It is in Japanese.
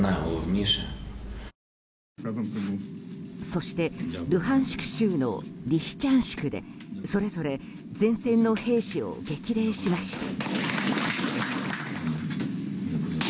そして、ルハンシク州のリシチャンシクでそれぞれ前線の兵士を激励しました。